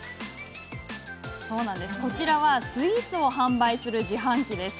こちらはスイーツを販売する自販機。